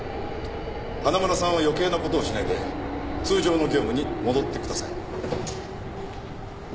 花村さんは余計な事をしないで通常の業務に戻ってください。